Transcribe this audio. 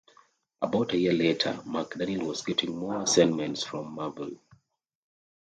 About a year later, McDaniel was getting more assignments from Marvel.